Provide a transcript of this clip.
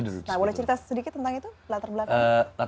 nah boleh cerita sedikit tentang itu latar belakangnya